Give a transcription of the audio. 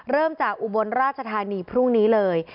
เริ่มจากอุบลราชธานีพรุ่งนี้เลย